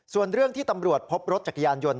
ส่วนเรื่องที่ตำรวจพบรถจักรยานยนต์